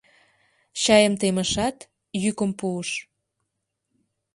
Чайым темышат, йӱкым пуыш: